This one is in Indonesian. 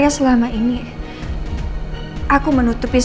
maksud kak kamu berz sz